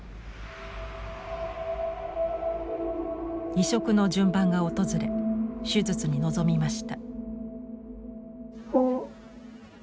移植の順番が訪れ手術に臨みました。